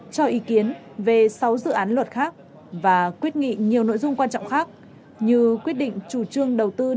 cho ý kiến về sáu dự án luật khác và quyết nghị nhiều nội dung quan trọng khác như quyết định chủ trương đầu tư